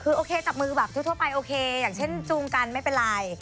คือโอเคจับมือแบบทั่วไปโอเคอย่างเช่นจูงกันไม่เป็นไร